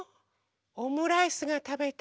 オムライスがたべたい。